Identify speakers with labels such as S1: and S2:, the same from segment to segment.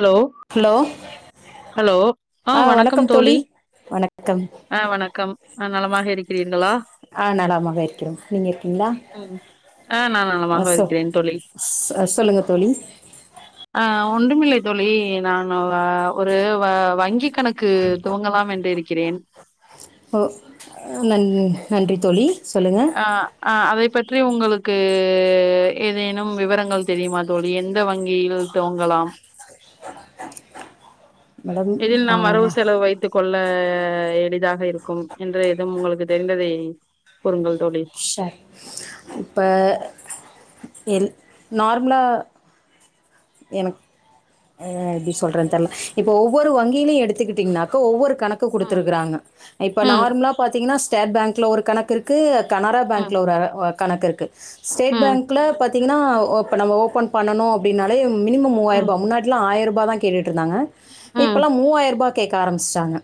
S1: Hello
S2: hello
S1: hello ஆஹ வணக்கம் தோழி
S2: வணக்கம்
S1: ஆஹ் வணக்கம் ஆஹ நலமாக இருக்கிறீர்களா
S2: ஆ நலமாக இருக்கிறோம் நீங்க இருக்கீங்களா
S1: ஆஹ் நான்
S2: ஆ
S1: நலமாக
S2: சொ
S1: இருக்கிறேன் தோழி
S2: சொ சொல்லுங்க தோழி
S1: ஆஹ் ஒன்றுமில்லை தோழி நானும் அவு ஆஹ் ஒரு வ வங்கி் கணக்கு துவங்கலாம் என்று இருக்கிறேன்
S2: ஓ நன் நன்றி தோழி சொல்லுங்க
S1: ஆ ஆ அதை பற்றி உங்களுக் க்கு ஏதேனும் விவரங்கள் தெரியுமா தோழி எந்த வங்கியில் துவங்கலாம்
S2: மேடம்
S1: இதில்
S2: ஆ
S1: நாம் வரவு செலவு வைத்து கொள்ள எளிதாக இ ருக்கும் என்று எதும் உங்களுக்கு தெரிந்ததை கூறுங்கள்த்
S2: சார் இப்ப இல் நார்மலா எனக் ஆ எப்பிடி சொல்றது தெர்ல இப்ப ஒவ்வொரு வங்கியிலு எடுத்துக்கிட்டீங்கன்னா ஒவ்வொரு கணக்கு
S1: ம்
S2: குடுத்திருக்கிறாங்க இப்ப
S1: ம்
S2: நார்மலா பாத்தீங்கன்னா ஸ்டேட் பேங்க் ட்ல ஒரு கணக்கு இருக்கு கனரா
S1: ம்
S2: பேங்க்ல ஒரு ஒரு கணக்கு இருக்கு ஸ்டேட்
S1: ம்
S2: பேங்க்ல பாத்தீங்கன்னா ஓ இப்ப நம்ம ஓபன் பண்ணனோ அப்பிடின்னாலே மினிமம் மூவாயிரம்
S1: ம்
S2: ரூபா முன்னாடி ஆயிரம் ரூபா தா கேட் ட்டுருந்தாங்க
S1: ம்
S2: இப்பெல்லாம் மூவாயிரம் ரூபா கேக்க ஆரம்பிச்சுட்டாங்க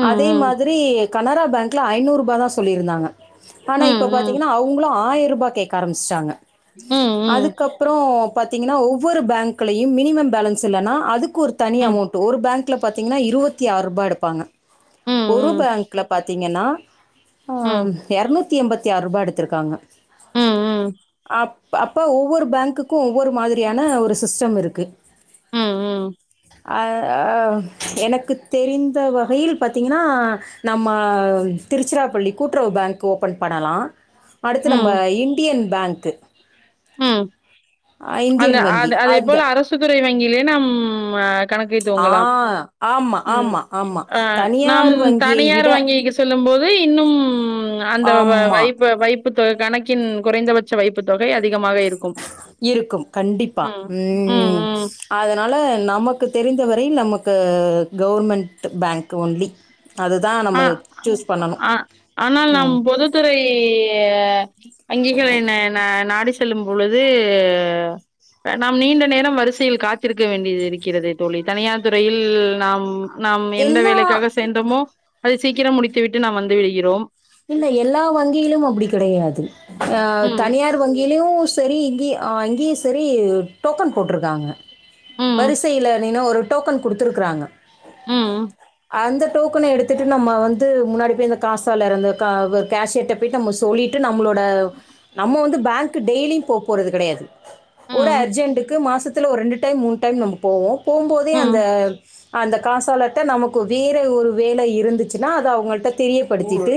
S1: ம்
S2: அதே
S1: ம்
S2: மாதிரி கனரா பேங்க்ல ஐநூறு ரூபா தான் சொல்லியிருந்தாங்க ஆனா
S1: ம்,
S2: இப்ப
S1: ம்.
S2: பாத்தீங்கன்னா அவுங்களும் ஆ ஆயிரரூபா கேக்க ஆரம்பிச்சுட்டாங்க
S1: ம், ம்.
S2: அதுக்கப்பறம் பாத்தீங்கன்னா ஒவ்வொரு பேங்க்லையும் மினிமம் பேலன்ஸ் லன்ஸ் இல்லன்னா அதுக் க்கு ஒரு தனி
S1: ம்.
S2: அமௌண்ட் ஒரு பேங்க் ங்க்கல பாத்தீங்கன்னா இருவத்தி ஆறு ரூபா எடுப்பாங்க
S1: ம்,
S2: ஒரு
S1: ம்.
S2: பேங்க்ல பாத் த்தீங்கன்னா
S1: ம்,
S2: ஹான்
S1: ம்.
S2: யர்நூத் நுத்தி எம்பத்தி ஆறு ரூபா எடுத்திருக்காங்க
S1: ம் ம்
S2: அப் பா ஒவ்வொரு பங்க்கு க்கும் ஒவ்வொரு மாதிரியான ஒரு சிஸ்டம் இருக்கு
S1: ம் ம்
S2: அ அ எனக்குத் தெரிந்த வகையில் பாத்தீங்கன்னா நம்ம திருச்சிராப்பள்ளி கூட்டுறவு பேங்க் ஓபன் பண்ணலா அடுத்து நம்ம
S1: ம்.
S2: இந்தியன் பங்க்
S1: ம் அந்த
S2: இந்தியன் வங்கி
S1: அதே
S2: அந்த
S1: போல அரசு துறை வங்கி இ நம்ம கணக்கை
S2: ஆ
S1: துவங்கலாம்
S2: ஆமா
S1: ம்
S2: ஆமா ஆமா
S1: அ நம்
S2: தனியார் வங்கியை
S1: தனியார்
S2: விட
S1: வங்கிக்கு செல்லும் போது ஏய் இன்னும் அந்த வை
S2: ஆமா
S1: வைப்பு வைப்பு தொகை கணக் கின் குறைந்தபட்ச வைப்பு தொகை அது
S2: இருக்கும் கண்டிப்பா ம் அதனால நமக்கு தெரிந்தவரை நமக்கு கவர்மெண்ட் பங்க் ஓன்லி
S1: அஹ அஹ ஆனா நம் பொதுத்துறை அங்கிங்க என்ன நாடிச் செல்லும் பொழுது நம் நீண்ட நேரம் வரிசையில் காத்திருக்க வேண்டிய இருக்கிறிது தோழி தனியார் துறையில் நம் நாம் எந்த
S2: எல்லா
S1: வேலைக்காக சேர்தமோ அது சீக்கிரம் முடித்து விட்டு நம் வந்து விடுகிறோம்
S2: இல்ல எல்லா வங்கியிலும் அப்படி கிடையாது அ
S1: ம்,
S2: தனியார் வங்கி இலியும் சரி இங்கே அ இங்கேயும் சரி டோக்கன் போட்ருக்காங்க
S1: ம்,
S2: வரிசையில நின்னு ஒரு டோக்கன் குடுத்துருக்காங்க
S1: ம்,
S2: அந்த டோக்கணை எடுத்து திரு நம்ம வந்து முன்னாடி போய் இந்த காசளறுந்து ஆ வ கேஷியர்ட்ட போய் நம்ம சொல்லிட்டு நம்மளோட நம்ம வந்து பேங்க் டெய்லி போ போறது கெடையாது ஒரு
S1: ம்,
S2: அர்ஜன்ட்க்கு மாசத்து வாறத்துல ரெண்டு டைம் முணு டைம் நம்ம போவோம் போம்போதே அந்த
S1: ம்,
S2: அந்த காசு தொல்லட்ட நமக்கு வேறு ஒரு.. வேலை இருந்துச்சுன்னா அத அவங்கள்ட்ட தெரியப்படுத்திட்டு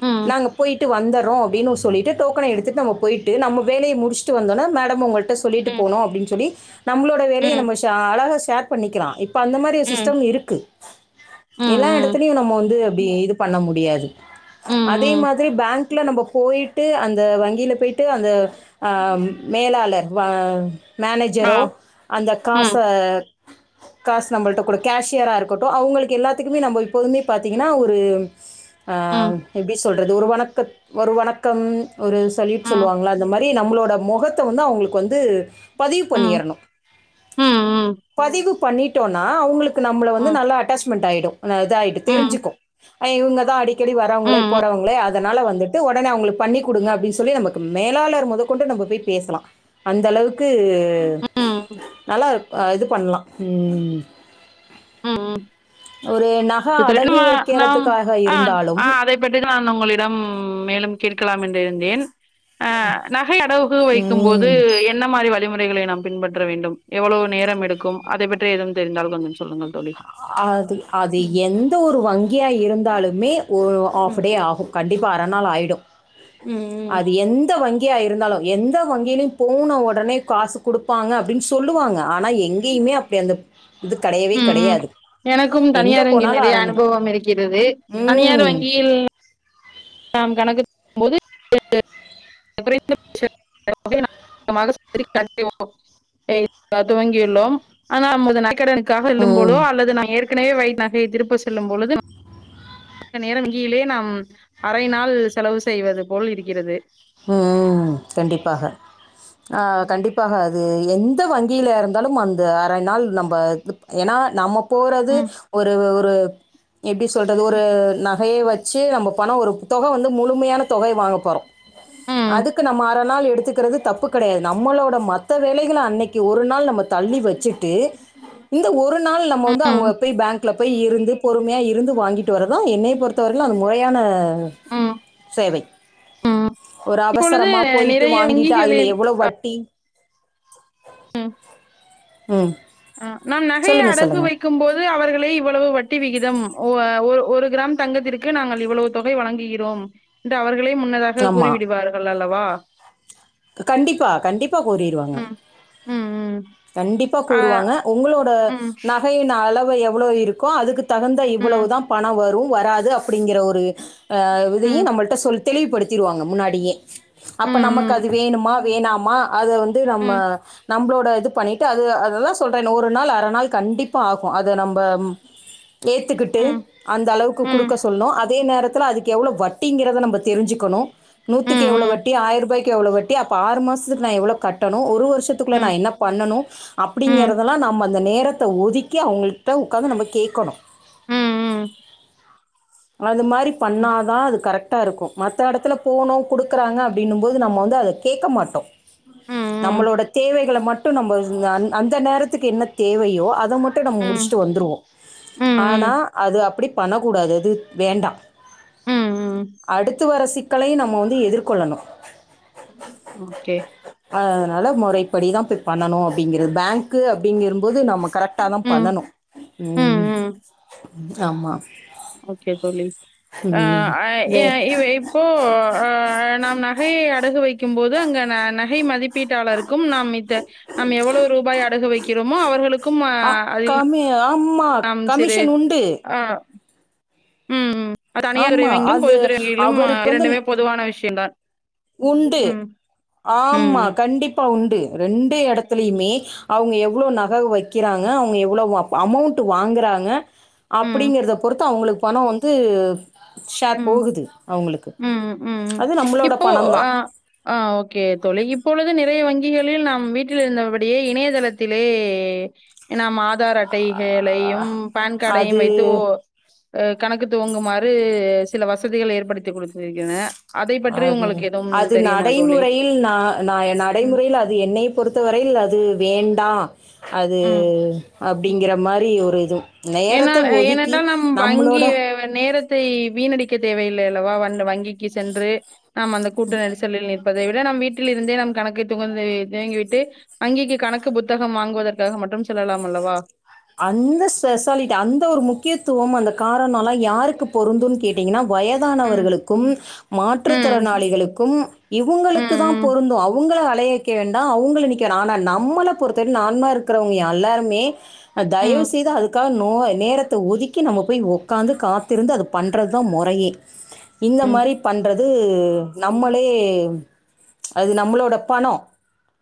S1: ம், ம்,
S2: நாங்க போய்ட்டு வா வந்தரோ அப்டின்னூ சொல்லிட்டு டோக்கனை எடுத்துட்.. நம்ம போயிட்டு நம்ம வேலைய மு உஷ்ட்டு வந்தோனா மேடம் உங்கள் ட்டு சொல்லிட்டு
S1: ம்,
S2: போனோ அப்டின்னு சொல்லி நம்மளோட வேலையே
S1: ம்,
S2: நம்ம [unintelligible] ஷேர் பண்ணிக்கலாம் இ இப்ப அந்த மாரி
S1: ம்,
S2: சிஸ்டம் இருக்கு எல்லா
S1: ம், ம்,
S2: எடத்துலயு நம்ம வந்து அப்பிடி இது பண்ண முடியாது அதே
S1: ம்.
S2: மாதிரி பேங்க்.. குல நம்ம போயிட்டு அந்த வங்கியில பெய்ட்டு அந்த அ மேலாளர் வ
S1: ஆ,
S2: மேனேஜரோ அந்த காச
S1: ம்,
S2: காசு நம்மள்ட்ட கூட கேஷியரா இருக்கட்டும் அவங்களுக்கு எல்லாத்துக்குமே நம்ம இப்போதுமே பாத்தீங்கன்னா ஒரு ஆ
S1: ம்,
S2: எப்டி சொல்றது ஒரு வணக்க ஒரு வணக்கம் ஒரு சல்யூட்
S1: ம்,
S2: சொல்லுவாங்களா அந்த மாதிரி.. [unintelligible] நம்மளோட முகத்த வந்து அவங்களுக்கு வந்து பதிவு
S1: ம்,
S2: பண்ணியறணு
S1: ம், ம், ம்,
S2: பதிவு பண்ணிட்டோன்னா அவுங்களுக்கு.. க்கு நம்மள வந்து
S1: ம்,
S2: நல்ல அட்டாச்மெண்ட்டாயிடும் [unintelligible] அதாயிட்டு
S1: ம்,
S2: தெரிஞ்சுக்கோ அ இவுங்க தா அடிக்கடி வரவுங்களே..
S1: ம்,
S2: போறவங்களே அதனால வந்துட்டு ஒடனே அவுங்களுக்கு பண்ணி கொடுங்க அப்டின்னு சொல்லி நம்மக்கு மேலாளர் மொதக்கொண்டு நம்ம பேய் பேசலாம் அந்த அளவுக்கு [unintelligible]
S1: ம்,
S2: நல்லா இரு அ இது பண்லாம் ம்
S1: ம் ம்
S2: ஒரு நகை அடகு
S1: [inaudible] நம்
S2: வைக்கிறதுக்காக
S1: ஆ
S2: இருந்தாலும்
S1: ஆ அதைப் பற்றி நான் உங்களிடம் மேலும் கேட்கலாம் என் தெருந்தேன் ஆ நகை அடகு வைக்கும் போது
S2: ம்
S1: என்ன மாரி வ விதி முறைகளை நாம் பின்பற்ற வேண்டும் எவ்வளவு நேரம் எடுக்கும் அதைப் பற்றி எதுவும் தெரிந்தால் கொஞ்சம் சொ
S2: அது அது எந்த ஒரு வங்கியா இருந்தாலுமே ஒ ஆஃப்
S1: ம்
S2: டே ஆகு கண்டிப்பா அரநாள் ஆயிடு
S1: ம் ம்
S2: அது எந்த வங் கியா இருந்தாலு எந்த வங்கியிலு போன ஒடனே காசு குடுப்பாங்க அப் அப்டினு சொல்லுவாங்க ஆனா எங் கியுமே அப்டி அந்த இது கெடயவே
S1: ம் எனக்கு வந்து தனியார் வங்கி நெறைய
S2: அறநிலை
S1: அனுபவம் இருக்கிறது தனியார்
S2: ம்
S1: வங்கியில் நாம் கணக்கு [inaudible] போது [inaudible] [inaudible] [inaudible] துவங்கியுள்ளோம் ஆனா நமது நகைகடன் காக
S2: ம்
S1: இல்லும்போலோ அல்லது நா ஏற்கனவே வைத்த நகையை திருப்ப செல்லும் பொழுது [inaudible] நேரா வங்கிலே நாம் அரை நாள் செலவு செய்வது போல் இருக்கிறது
S2: ம் கண்டிப்பாக ஆ
S1: ம்
S2: கண்டிப்பாக அது எந்த வங்கியில இருந்தாலும் அந்த அரை நாள் நம்ப திருப் ஏனா நம்ம போறது ஒரு ஒரு எப்படி சொல்றது ஒரு நா நகைய வச்சு நம்ப பணம் ஒரு தொக வந்து முழுமையான தொகை வாங்க போறோ
S1: ம்
S2: அதுக்கு நம்ம அர நாள் எடுத் கத்துக்கறது தப்பு கெடையாது நம்மளோட மத்த வேலைகள அன்னைக்கி ஒரு நாள் நம்ம தள்ளி வச்சிட்டு இந்த ஒரு நாள் நம்ம வந்து அங்க
S1: ம்,
S2: போய் பேங்க்ல போய் இருந்து பொறுமையா இருந்து வாங்கிட்டு வரதுதா என்னய பொறுத்தவரையிலு அது மொறையான ம் சேவை ஒரு
S1: இப்பொழுது
S2: அவசரமா போயிட்டு
S1: நிறைய
S2: வாங்கிட்டு அதுல
S1: வங்கிகளில்
S2: எவ்வுளோ வட்டி
S1: ம்
S2: ம்
S1: ஆ நாம் நகைய
S2: சொல்லுங்கள்
S1: அடகு
S2: சொல்லுங்கள்
S1: வைக்கும் போது அவர்களே இவ்வளவு வட்டி விகி தம் ஒ ஆ ஒ ஒரு ஒரு கிராம் தங்கத்திற்கு நாங்கள் இவ்வளவு தொகை வழங்குகிறோம் என்று அவர் களே முன்னதாக கூறிவிடுவார்கள் அல்லவா
S2: கண்டிப்பா கண்டி ப்பா கூறிருவாங்க
S1: ம், ம், ம்.
S2: கண்டிப்பா
S1: அ,
S2: கூறுவாங்க உங்களோட
S1: ம்,
S2: நகையின் அளவு எவ்ளோ இருக்கோ அதுக்கு தகுந்த
S1: ம்,
S2: இவ்வுளவுதா பணோ வரும் வராது அப்டிங்கிற ஒரு ஆ இதையும்
S1: ம்,
S2: நம்மள்ட்ட சொல் தெளிவுப்படுத்திருவாங்க முன்னாடியே அப்ப நமக்கு அது
S1: ம்,
S2: வேணுமா? வேணாமா அத வந்து நம்ம
S1: ம்,
S2: நம்பளோட இது பண்ணிட்டு அது அதுதா சொல்றேனே ஒரு நாள் அர நாள் கண்டிப்பா ஆகும் அது நம்ப ஏத்துக்கிட்டு
S1: ம்,
S2: அந்த
S1: ம்,
S2: அளவுக்கு
S1: ம்.
S2: கொடுக்க சொல்லணும் அதே நேரத்தில் அதுக்கு எவ்வளோ வ அப்படிங்கிறத நம்ம தெரிஞ்சுக்கணும் நூத்துக்கு
S1: ம்,
S2: எவ்ளவு
S1: ம்,
S2: வட்டிஆயிர ரூபாய்க்கு எவ்வளவு வட்டி அப்ப ஆறு மாசத்துக்கு நான் எவ்வளவு கட்டணும் ஒருவருஷத்துக்கு வருஷத்துக்குள்ள
S1: ம்,
S2: நான் என்ன பண்ணனும்
S1: ம்,
S2: அப்படிங்கறதெல்லாம் நம்ம அந்த நேரத்தை ஒதுக்கி அவங்களிட்ட உட்காந்து நம்ம கேட்கணும்
S1: ஹம் ஹம்ம்
S2: அது மாதிரி பண்ணா தான் அது கரெக்ட் கரெக்ட்டா இருக்கும் மற்றத்த இடத்துல போனோம் கொடுக்குறாங்க அப்படின்னும் போது நம்ம வந்து அதை கேட்க மாட்டோம்
S1: ம்,
S2: நம்மளோட தேவைகளை மட்டும் நம்ம அந்த நேரத்துக்கு என்ன தேவையோ அதை மட்டும் நம்ம முடிச்சுட்டு வந்துருவோம்
S1: ம், ம், ம்,
S2: ஆனால் அது அப்படி பண்ணக்கூடாது அது வேண்டாம்
S1: ம்.
S2: அடுத்து வரசி இக்களையும் நம்ம வந்து எதிர்கொள்ளணும்
S1: ஓகே
S2: அதனால் முறைப்படி தான் போய் பண்ணணும் அப்படிங்கிறது பேங்க்கு அப்படிங்கும்போது நமக்கு கரெக்டாக தான்
S1: ம்,
S2: பண்ணணும்
S1: ம், ம்.
S2: ஆமா
S1: ஓகே தோழி
S2: ம் வே
S1: அஹ இப்போஹ் நாம் நகையை அடகு வைக்கும் போது அங்க நகை மதிப்பீட்டாளருக்கும் நாம் நாம் எவ்வளவு ரூபாய் அடகு வைக்கிறோமோ அவர்களுக்கு
S2: அஹக்காம ஆம் ஆமா கமிஷன் உண்டு
S1: உம் உம் தனியார் துறை
S2: ஆமா
S1: வங்கியிலும்
S2: அது
S1: பொதுத்துறை வங்கியிலும்
S2: அவருக்கு வந்து
S1: இரண்டுமே பொதுவான விஷயம்்தான்
S2: உண்டு ஆமா
S1: ம்.
S2: கண்டிப்பா உண் ரெண்டு இடத்துலயுமே அவங்க எவ்ளவு நகை வைக்கிறாங்க அவங்க எவ்வளவு அமௌண்ட் வாங்குறாங்க
S1: ம்.
S2: அப்படிங்கறத பொறுத்து அவங்களுக்கு பணம் வந்து ப ஷேர்
S1: ம்.
S2: போகுது அவங்களுக்கு அது நம்மளோட
S1: ஒ ஆ
S2: தான்.
S1: ஆ ஓகே தொலை இப்பொழுது நெ நிறைய வங்கிகளில் நாம் வீட்டில் இருந்தபடியே இணையதளத்திலே நாம் ஆ தார் அட்டைகளையும் பான் காடையும்
S2: அது
S1: வைத்து ஓ கணக்குத் துவங்குமாறு சில வசதிகள் ஏற்படுத்தி குடுத்திருக்கிறே
S2: அது அது நடைமுறையில் நா ந
S1: ம்,
S2: நடைமுறையில் அது என்னை பொறுத்த வரையில் அது வேண்டா அது
S1: ம்.
S2: அப்டிங்கிற மாரி ஒரு இது
S1: ஏனால்
S2: நேரத்த ஒதுக்கி
S1: ஏனென்றால் நம் வங்கி
S2: நம்மளோட
S1: நேரத் தை வீணடிக்க தேவையில்லை அல்லவா வண் வங்கிக்கு சென்று ஆமா அந்த கூட்ட நெரிசலில் நி பதை விட நம் வீட்டில் இருந்தே நம் கணக்கு துவந்து தேங்கிவிட்டு அங்கிக்கு கணக்கு புத்தகம் வாங்குவதற்காக மட்டும் செல்லலாம் அல்லவா
S2: அந்த ஸெஸாலிட்டி அந்த ஒரு முக்கியத்துவம் அந்த காரணொல்லா யாருக்கு பொருந்துன் கேட்டீங்கன்னா
S1: ம்,
S2: வயதானவர்களுக்கும்
S1: ம்,
S2: மாற்றுத்திறனாளிகளுக்கும்
S1: ம்,
S2: இவுங்களுக்கு தா
S1: ம்,
S2: பொருந்து அவுங்கள லையெக்க வேண்டா அவுங்கள நிக்க னா நா நம்மள பொறுத்த நான்மாருக்றவுங்க எல்லாருமே அ
S1: ம்,
S2: தயவுசெய்து அதுக்காக நோ நேரத்த ஒதுக்கி நம்ம போய் ஒக்காந்து காத்திருந்து அத பண்றதா மொறையே இந்த மாரி பண்ற து நம்மளே அது நம்ளோட பணொ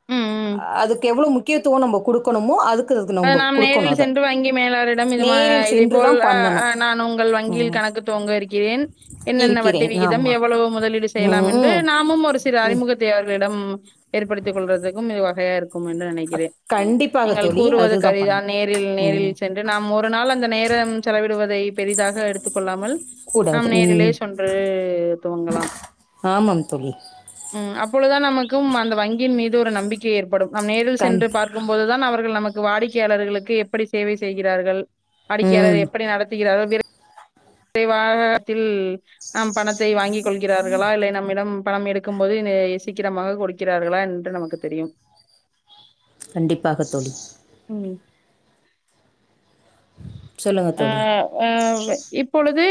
S1: ம், ம்.
S2: அதுக்கு எவ்ளோ முக் முக்கியத்துவொ நம்ப குடுக்கணுமோ அதுக் க்குறது
S1: அ
S2: நம்பொ
S1: நாம் நேரில் சென்று வங்கி மேலாளரிடம் இது மா இதே போல்
S2: சென்றுதான்
S1: அ அ
S2: பண்ணணும்
S1: நா உங்கள்
S2: ம்
S1: வங்கியில் கணக்கு துவங்க இருக்கிறேன் என்னென்ன வட்டி
S2: இருக்கிறேன்
S1: விகிதம்
S2: ஆமா
S1: எவ்வளோ முதலீடு செய்யலாம்
S2: ம்
S1: என்று
S2: ம்
S1: நாமும் ஒரு சிறு அறிமுகத்தை அவர்களிடம் ஏற்படுத்திக் கொள்றதுக்கும் இது வ வேறு
S2: அ கண்டிப்பாக தோல்
S1: கூறுவது கரிதான் நேரில் நேரில் சென்று நாம் ஒரு நாள் அந்த நேரம் செலவிட் ருவதை பெரிதாக எடுத்துக் கொள்ளாமல் நாம்
S2: கூடாது
S1: நேரிலே
S2: ம்
S1: சொன்று துவங்கலாம்
S2: ஆமாம் தோழி
S1: ம் அப்பொழுதான் நமக்கும் அந்த வங்கியின் மீது தூர நம்பிக்கை ஏற் படும் நம் நேரில்
S2: கண்
S1: சென்று பார்க்கும்போதுதான் அவர்கள் நமக் வாடிக்கையாளர்களுக்கு எப்படி சேவை செய்கிறார்கள் படிக்க அதாது
S2: ம்
S1: எப்படி நடத்துகிறாரோ விர [unintelligible] தில் நாம் பணத்தை வாங்கிக் கொள்கிறார்களா இல்லை நம்மிடம் பணம் எடுக்கும் போது சீக்கிரமாக கொடுக்கிறார்களா என்று நமக்கு தெரியும்.
S2: கண்டிப்பாக தோழி.
S1: ம்..
S2: சொல்லுங்க
S1: [unintelligible]
S2: தோழி
S1: ஆஹ் ஆஹ் இப்பொழுது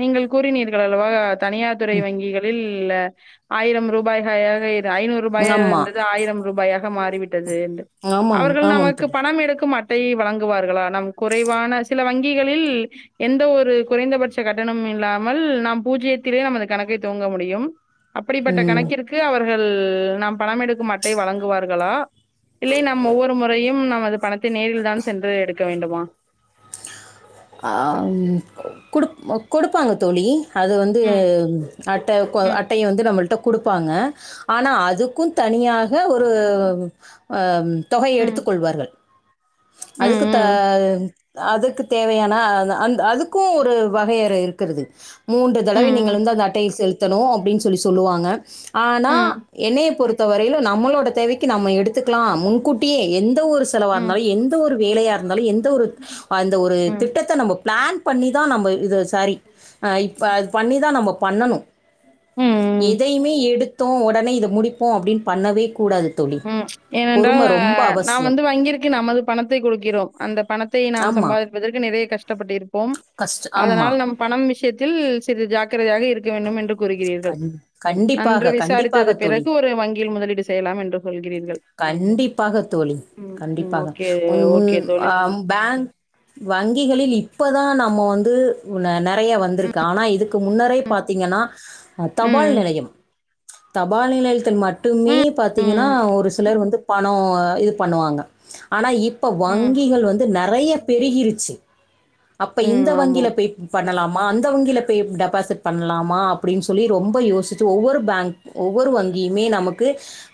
S1: நீங்கள் கூறினீர்கள் அல்லவா தனியார்துறை வங்கிகளில்.. இல்ல ஆயிரம் ரூபாய்காக இரு [unintelligible] [unintelligible] ஐநூறு ரூபாயா
S2: ஆமா
S1: இருந்தது ஆயிரம் ரூபாயா.. மாறி விட்டு.. [unintelligible] என்று
S2: ஆமாம்
S1: அவர்கள்
S2: ஆமாம்
S1: நமக்கு
S2: தோழி
S1: பணம் எடுக்க மாட் வழங்குவார்களா நம்.. குறைவான சில வங்கிகளில் எந்த ஒரு குறைந்தபட்ச கட்டணமும் இல்லாமல் நாம் பூஜ்ஜியத்திலே நமது கணக்கை துவங்க முடியும். அப்படிப்பட்ட
S2: ம்
S1: கணக்கிற்கு அவர்.. நாம் பணம் எடுக்கும் அட்டை வழங்குவார்களா இல்லை நாம் ஒவ்வொரு முறையும் நமது பணத்தை.. நேரில் தான் சென்று எடு.. எடுக்க வேண்டுமா..
S2: ஆ ம் கொடு கொடுப்பாங்க தோழி. அது வந்து
S1: ம்,
S2: அட்ட கொ
S1: ம்,
S2: அட்டையு வந்து நம்மள்ட்ட.. கொடுப்பாங்க ஆனா அதுக்கும் தனியாக ஒரு ம் தொகையை
S1: ம்,
S2: எடுத்துக் கொள்வார்கள்.
S1: ம்,
S2: அதுக்கு த..
S1: ம்,
S2: அதுக்கு தேவையான அ அந் அதுக்கு ஒரு வகையறை இருக்கிறது. மூன்று தடவை நீங்கள்
S1: ம்,
S2: வந்து அந்த அட்டையில் செலுத்தி.. செலுத்தணும் அப்படின்னு சொல்லி சொல்லுவாங்க..
S1: ம்,
S2: ஆனா
S1: ம்.
S2: என்னைய பொறுத்து.. இது வரையிலும் நம்மளோட தேவைக்கு நம்ம எடுத்து.. [unintelligible] எடுத்துக்கலாம் முன்கூட்டியே எந்த ஒரு செலவாக..
S1: ம்.
S2: எந்த ஒரு வேலையா இருந்தாலும் எந்த ஒரு அந்த ஒரு
S1: ம்,
S2: திட்டத்தை நம்ம பிளான்.. பண்ணிதா நம்ப இத ஸ் சேரீ ஆ இப் ப்ப அது பண்ணி தா நம்ம பண்ணனும்
S1: ம்.
S2: எதையுமே எடுத் த்தோ உடனே இது முடிப்போ அப்புடின் பண்ணவே கூடாது தோழி
S1: ம் ஏனென்றால்
S2: பொறுமை
S1: அ
S2: ரொம்ப
S1: நா
S2: அவசியம்
S1: வந்து வாங்கிருக் கி நம்மள் பணத்தை குடுக்கிறோம் அந்தப் பணத்தை நாம்
S2: ஆமாம்
S1: சம்பாதிப்பதற்கு நிறைய கஷ்டப்பட்டு இருப்போம்
S2: கஷ்டம்
S1: அதனால்
S2: ஆமாம்
S1: நம் பணம் விஷயத்தில் சிறிது ஜா க்கிரதையாக இருக்க வேண்டும் என் கூறுகிறீர்கள்
S2: கண்
S1: நன்று
S2: கண்டிப்பாக,
S1: விசாரித்தது
S2: கண்டிப்பாக தோழி.
S1: பிறகு ஒரு வங்கியில் முதலீடு செய்யலாம் என்று சொல்கிறீர்கள்.
S2: கண்டிப்பாக தோழி
S1: ம், ம்.
S2: கண்டிப்பாக
S1: ஓகே,
S2: உன் உன்
S1: ஓகே தோழி.
S2: அஹ் பேங்க் வங்கிகளில் இப்பதா நம்ம வந்து உ நெ நெறைய வந்திருக்கு ஆனா இதுக்கு முன்னரே பாத்தீங்கன்னா தபால்
S1: ம்,
S2: நிலையம் தப் பால்நிலையத்தில் மட்டுமே
S1: ம்,
S2: பாத்தீங்கன்னா
S1: ம்,
S2: ஒரு சிலர் வந்து பண அ இது பண்ணுவாங்க ஆனா இப்போ
S1: ம்,
S2: வங்கிகள் வந்து நறைய பெருகிருச்சி அப்ப
S1: ம்.
S2: இந்த
S1: ஆமா.
S2: வங்கில போய் பண்ணலாம் அந்த வங்கில போய் டெபாசிட் பண்லாமா அப்டின் சொல்லி ரொம்ப யோசிச்சு ஒவ்வொரு பேங்க் ஒவ்வொரு வங்கியுமே நமக்கு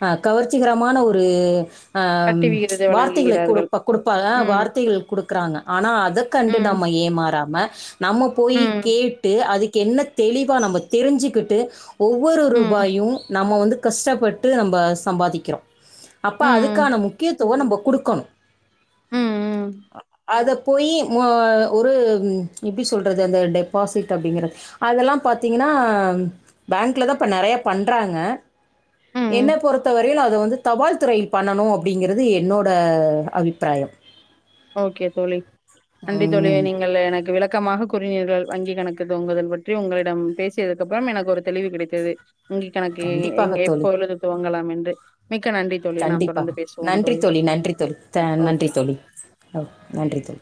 S2: அ கவர்ச்சிகற மான ஒரு அ
S1: வட்டி விகிதத்தை
S2: வார்த்தைகளை
S1: வழங்குகிறார்கள்.
S2: கொடுப்ப கொடுப்பாக
S1: ம்,
S2: வார்த்தைகள் குடுக்குறாங்க ஆனா அத கண்டு நம்ம
S1: ம்,
S2: ஏமாறாம நம்ம போய்
S1: ம்,
S2: கேட்டு அது என்ன தெளிவா நம்ம தெரிஞ்சுக்கிட்டு ஒவ்வொரு
S1: ம், ம்,
S2: ரூபாயு நம்ம வந்து கஷ்டப்பட்டு நம்ப சம்பாதிக்கிறொ அப்ப அதுக்கான
S1: ம்,
S2: முக்கியத்துவ நம்ப குடுக்கணு
S1: ம்,
S2: அத போய் மு அ ஒரு ம் எப்டி சொல்றது அந்த டெப்பாசிட் அப்டிங்கறது அதெல்லாம் பாத்தீங்ன்னா பேங்க்ல தா இப்ப நெறைய பண்றாங்க என்ன
S1: ம்.
S2: பொருத்த வரைலு அத வந்து தபால்துறை பண்ணனு அப்டிங்கிறது என்னோ ட அபிப்பிராயம்
S1: ஓகே தோழி நன்றி தோழி
S2: ம்.
S1: நீங்கள் எனக் க்கு விளக்கமாக கூறுனீர்கள் வங்கி கணக்கு துவங்குதல் பற்றி உங்களிடம் பேசியதுக்கப்றம் எனக்கு ஒரு தெளிவு கிடைத்தது வங்கி கணக்கு எங்கே எப்பொழுது துவங்கலாம் மென்டு
S2: கண்டிப்பா நன்றி தோழி நன்றி தோழி தெ நன்றி
S1: ஓகே
S2: தோழி நன்றி தோழி